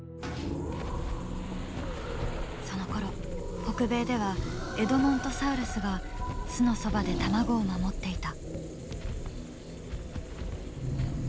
そのころ北米ではエドモントサウルスが巣のそばで卵を守っていた。